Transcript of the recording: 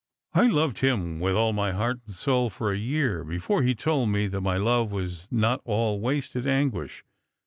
I loved him with all my heart and soul for a year before he told me that my love was not all wasted anguish.